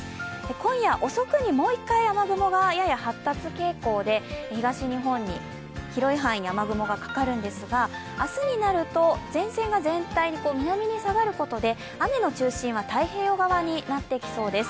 今夜遅くに、もう１回雨雲がやや発達傾向で東日本に広い範囲に雨雲がかかるんですが明日になると前線が全体に南に下がることで雨の中心は太平洋側になってきそうです。